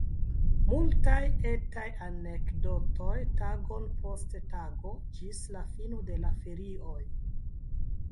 Multaj etaj anekdotoj, tagon post tago, ĝis la fino de la ferioj.